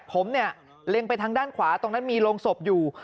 ผมเนี่ยเล็งไปทางด้านขวาตรงนั้นมีโรงศพอยู่